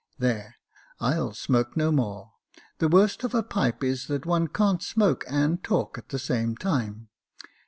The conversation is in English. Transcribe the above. " There, I'll smoke no more — the worst of a pipe is that one can't smoke and talk at the same time.